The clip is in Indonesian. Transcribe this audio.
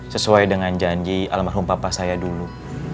sesuai dengan janji alam merhumpah saya dulu